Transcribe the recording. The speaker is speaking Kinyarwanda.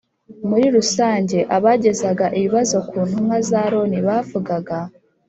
Muri rusange abagezaga ibibazo ku ntumwa za loni bavugaga